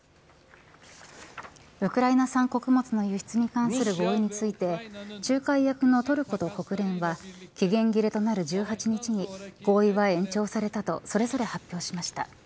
ウクライナ産穀物の輸出に関する合意について仲介役のトルコと国連は期限切れとなる１８日に合意は延長されたとそれぞれ発表しました。